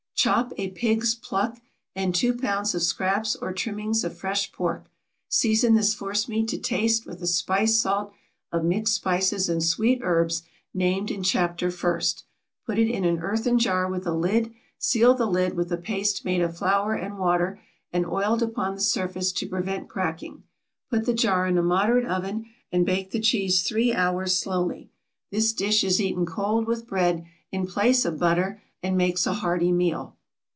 = Chop a pig's pluck, and two pounds of scraps or trimmings of fresh pork, season this forcemeat to taste with the spice salt of mixed spices and sweet herbs named in Chapter first; put it into an earthen jar with a lid, seal the lid with a paste made of flour and water, and oiled upon the surface to prevent cracking; put the jar in a moderate oven, and bake the cheese three hours, slowly. This dish is eaten cold with bread, in place of butter, and makes a hearty meal.